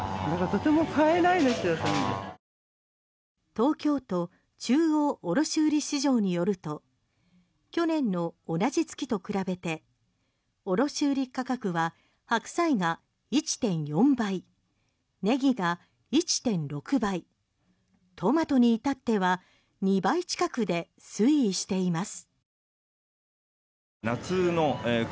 東京都中央卸売市場によると去年の同じ月と比べて卸売価格はハクサイが１．４倍ネギが１．６倍トマトに至っては２倍近くで推移しています。